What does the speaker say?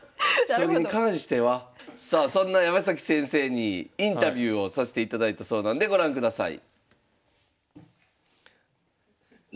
さあそんな山崎先生にインタビューをさせていただいたそうなんでご覧ください。